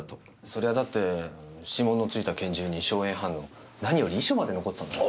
そりゃだって指紋の付いた拳銃に硝煙反応何より遺書まで残ってたんですから。